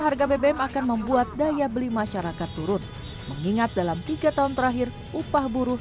harga bbm akan membuat daya beli masyarakat turun mengingat dalam tiga tahun terakhir upah buruh